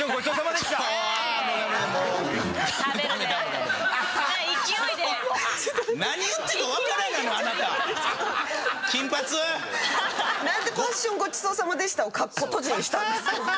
なんで「パッションごちそう様でした」をかっことじにしたんですか？